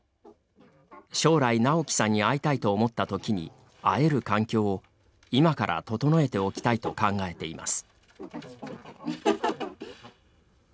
将来、直樹さんに会いたいと思ったときに会える環境を今から整えておきたいと考えています。